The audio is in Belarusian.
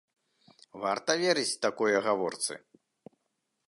Варта верыць такой агаворцы?